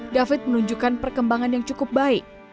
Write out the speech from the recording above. david menunjukkan perkembangan yang cukup baik